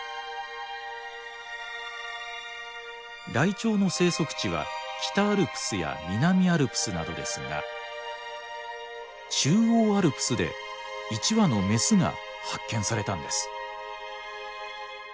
ライチョウの生息地は北アルプスや南アルプスなどですが中央アルプスで１羽のメスが発見されたんです。